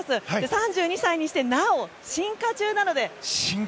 ３２歳にしてなお進化中なので。